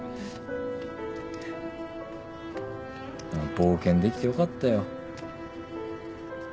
冒険できてよかったよ。